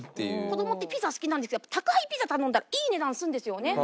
子供ってピザ好きなんですけど宅配ピザ頼んだらいい値段するんですよね。